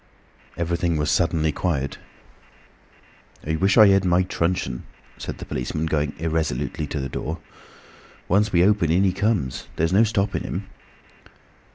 Everything was suddenly quiet. "I wish I had my truncheon," said the policeman, going irresolutely to the door. "Once we open, in he comes. There's no stopping him."